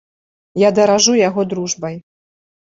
Я даражу яго дружбай.